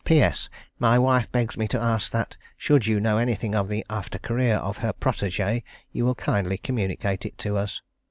"P.S. My wife begs me to ask that should you know anything of the after career of her protégée you will kindly communicate it to us.